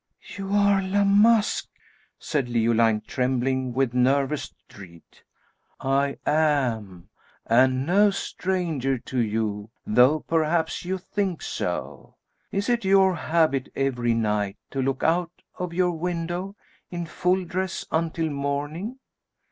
"You are La Masque!" said Leoline trembling with nervous dread. "I am, and no stranger to you; though perhaps you think so. Is it your habit every night to look out of your window in full dress until morning?"